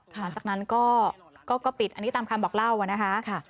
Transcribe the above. หลังจากนั้นก็ปิดอันนี้ตามคำบอกเล่านะคะ